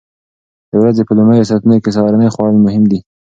د ورځې په لومړیو ساعتونو کې سهارنۍ خوړل مهم دي.